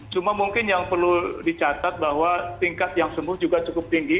cuma mungkin yang perlu dicatat bahwa tingkat yang sembuh juga cukup tinggi